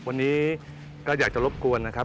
วันนี้ก็อยากจะรบกวนนะครับ